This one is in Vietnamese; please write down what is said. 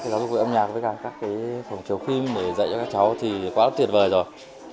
giáo dục về âm nhạc với cả các cái phòng chiều phim để dạy cho các cháu thì quá tuyệt vời rồi